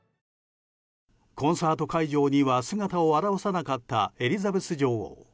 コンサート会場には姿を現さなかったエリザベス女王。